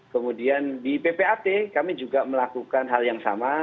kemudian di ppat kami juga melakukan hal yang sama